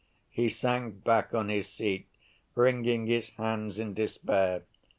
He sank back on his seat, wringing his hands in despair.